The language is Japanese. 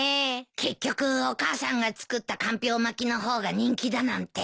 結局お母さんが作ったかんぴょう巻きの方が人気だなんて。